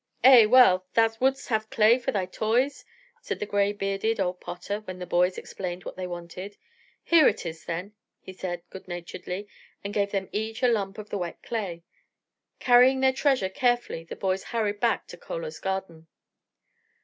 "Eh! well, thou wouldst have clay for thy toys?" said the gray bearded old potter, when the boys explained what they wanted. "Here it is then," he said, good naturedly, and gave them each a lump of the wet clay. Carrying their treasure carefully the boys hurried back to Chola's garden.